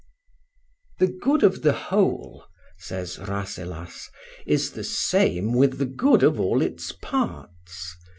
"THE good of the whole," says Rasselas, "is the same with the good of all its parts.